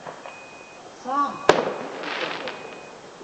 — Сам! — тип екерҙе.